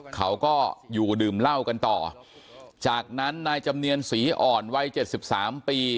เขาก็อยู่ดื่มเหล้ากันต่อจากนั้นนายจำเนียนศรีอ่อนวัยเจ็ดสิบสามปี